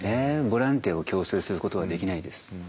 ボランティアを強制することはできないです。